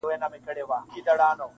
• چي ښکاري موږکان ټوله و لیدله,